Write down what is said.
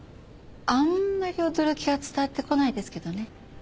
あんまり驚きは伝わってこないですけどね。